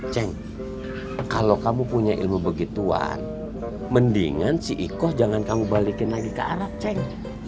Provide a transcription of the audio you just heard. ceng kalau kamu punya ilmu begituan mendingan si iko jangan kamu balikin lagi ke arab ceng